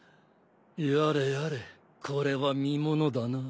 やれやれこれは見ものだな。